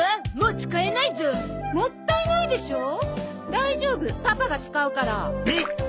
大丈夫パパが使うから。